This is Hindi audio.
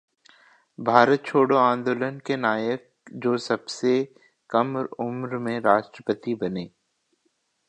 भारत छोड़ो आंदोलन के नायक जो सबसे कम उम्र में राष्ट्रपति बने...